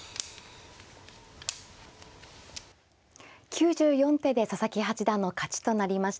９４手で佐々木八段の勝ちとなりました。